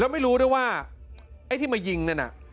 ไม่รู้ด้วยว่าไอ้ที่มายิงนั่นน่ะ